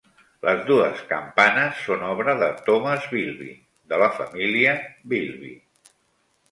Les dues campanes són obra de Thomas Bilbie de la família Bilbie.